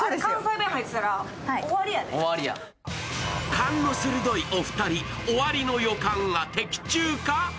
勘の鋭いお二人、終わりの予感が的中か？